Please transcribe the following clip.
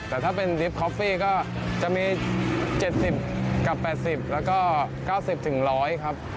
แต่ถ้าเป็นลิปคอฟฟี่ก็จะมี๗๐ครับ๘๐ครับแล้วก็๙๐ถึง๑๐๐ครับ